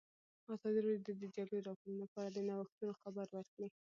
ازادي راډیو د د جګړې راپورونه په اړه د نوښتونو خبر ورکړی.